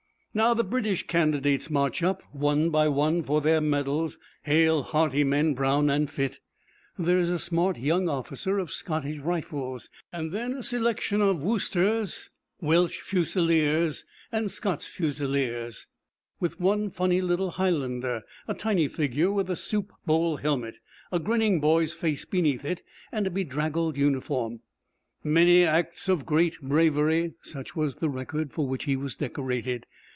Now the British candidates march up one by one for their medals, hale, hearty men, brown and fit. There is a smart young officer of Scottish Rifles; and then a selection of Worcesters, Welsh Fusiliers and Scots Fusiliers, with one funny little Highlander, a tiny figure with a soup bowl helmet, a grinning boy's face beneath it, and a bedraggled uniform. 'Many acts of great bravery' such was the record for which he was decorated.